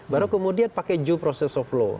baru kemudian pakai due process of law